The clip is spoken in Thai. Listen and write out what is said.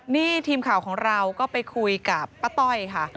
นี่ทีมข่าวของเราก็ไปคุยกับป้าต้อยค่ะ